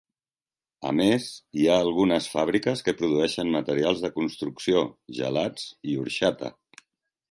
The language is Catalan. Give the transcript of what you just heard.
A més, hi ha algunes fàbriques que produeixen materials de construcció, gelats i orxata.